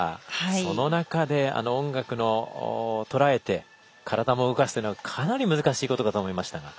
その中で、あの音楽をとらえて体も動かすというのはかなり難しいことかと思いますが。